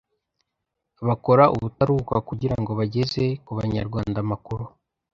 bakora ubutaruhuka kugira ngo bageze ku banyarwanda amakuru